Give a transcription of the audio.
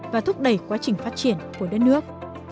và thúc đẩy quá trình phát triển của đất nước